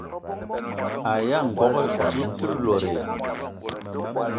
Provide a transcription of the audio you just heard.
Aya ngogo dze te lot?